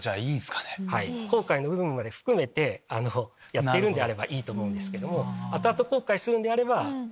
後悔の部分まで含めてやってるんであればいいと思うんですけども。